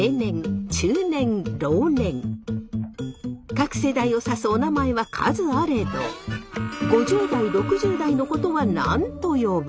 各世代を指すおなまえは数あれど５０代６０代のことは何と呼ぶ？